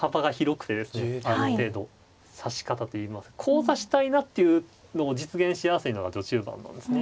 ある程度指し方といいますかこう指したいなっていうのを実現しやすいのは序中盤なんですね。